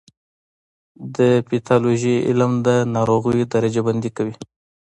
د پیتالوژي علم د ناروغیو درجه بندي کوي.